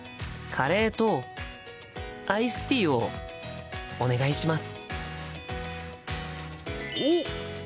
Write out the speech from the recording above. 「カレーとアイスティーをお願いします」。